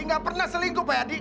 nggak pernah selingkuh pak yadi